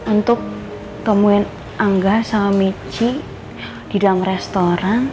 untuk temuin angga sama michi di dalam restoran